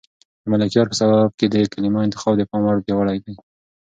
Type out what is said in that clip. د ملکیار په سبک کې د کلمو انتخاب د پام وړ پیاوړی دی.